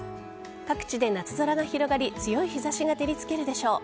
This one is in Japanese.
各地で夏空が広がり強い日差しが照りつけるでしょう。